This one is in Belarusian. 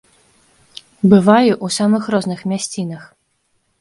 Бываю ў самых розных мясцінах.